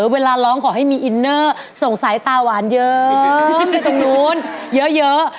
เวลาร้องขอให้มีอินเนอร์ส่งสายตาหวานเยอะขึ้นไปตรงนู้นเยอะ